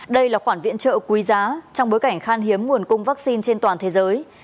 đây là khoản viện trợ quý giá trong bối cảnh khan hiếm nguồn cung vaccine trên toàn thế giới